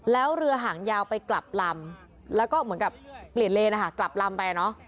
แล้วเรือหางยาวไปกลับลำแล้วก็เหมือนกับเปลี่ยนเลนนะคะกลับลำไปเนอะ